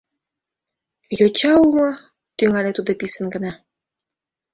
— «Йоча улмо», — тӱҥале тудо писын гына.